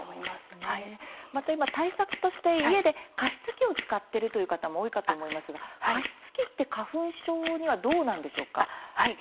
また今、対策として家で加湿器を使っているという方も多いかと思いますが、加湿器って花粉症にはどうなんでしょうか？